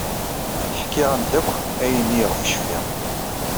Ḥkiɣ-am-d akk ayen ayɣef cfiɣ.